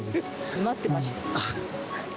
待ってました。